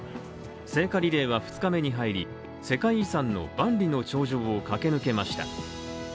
聖火リレーは２日目に入り、世界遺産の万里の長城を駆け抜けました。